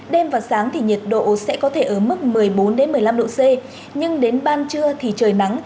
đêm và sáng thì nhiệt độ sẽ có thể ở mức một mươi bốn một mươi năm độ c nhưng đến ban trưa thì trời nắng